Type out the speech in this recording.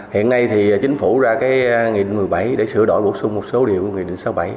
hiện nay thì chính phủ ra cái nghị định một mươi bảy để sửa đổi bổ sung một số điều của nghị định sáu mươi bảy